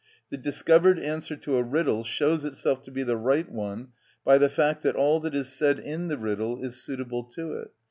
The discovered answer to a riddle shows itself to be the right one by the fact that all that is said in the riddle is suitable to it.